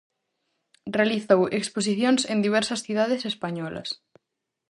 Realizou exposicións en diversas cidades españolas.